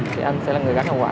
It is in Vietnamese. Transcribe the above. thì anh sẽ là người gánh hậu quả